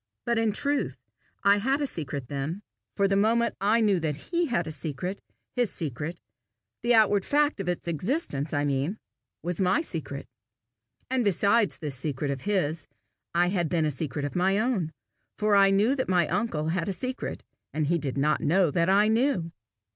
But in truth I had a secret then; for the moment I knew that he had a secret, his secret the outward fact of its existence, I mean was my secret. And besides this secret of his, I had then a secret of my own. For I knew that my uncle had a secret, and he did not know that I knew.